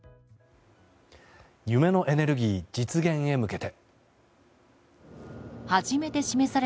夢のエネルギー実現へ向けて。